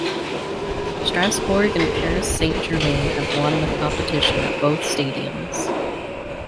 Strasbourg and Paris Saint-Germain have won the competition at both stadiums.